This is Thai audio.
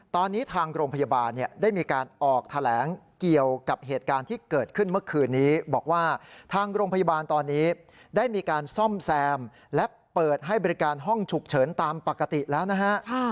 ตอนนี้ทางโรงพยาบาลได้มีการออกแถลงเกี่ยวกับเหตุการณ์ที่เกิดขึ้นเมื่อคืนนี้บอกว่าทางโรงพยาบาลตอนนี้ได้มีการซ่อมแซมและเปิดให้บริการห้องฉุกเฉินตามปกติแล้วนะฮะ